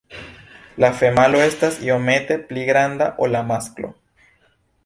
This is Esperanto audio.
La femalo estas iomete pli granda ol la masklo.